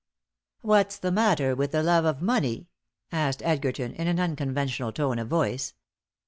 "What's the matter with the love of money?" asked Edgerton, in an unconventional tone of voice.